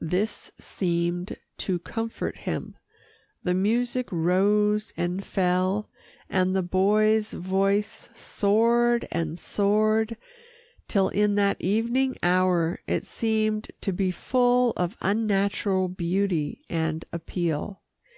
This seemed to comfort him. The music rose and fell, and the boy's voice soared and soared till in that evening hour, it seemed to be full of unnatural beauty and appeal.